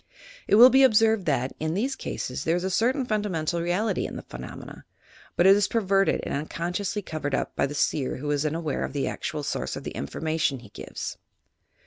It will be observed that, in these cases, there is a certain fundamental reality in the phenomena, but it is perverted and unconsciously covered up by the seer who is unaware of the actual source of the information he gives.